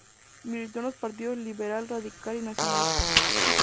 Militó en los partidos Liberal, Radical y Nacional.